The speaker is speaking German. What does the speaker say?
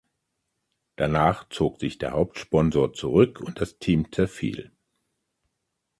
Danach zog sich der Hauptsponsor zurück und das Team zerfiel.